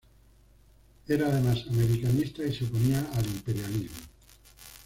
Era, además, americanista, y se oponía al imperialismo.